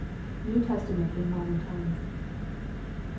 The New Testament in modern times.